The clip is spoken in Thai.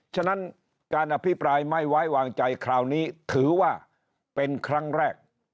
ฉะนั้นการอภิปรายไม่ไว้วางใจคราวนี้ถือว่าเป็นครั้งแรก